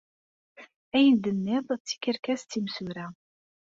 Ayen ay d-tenniḍ d tikerkas timsura.